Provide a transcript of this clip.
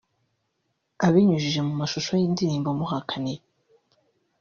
Abinyujije mu mashusho y’indirimbo Muhakanire